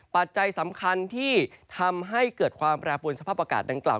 ปัจจัยสำคัญที่ทำให้เกิดความแปรปวนสภาพอากาศดังกล่า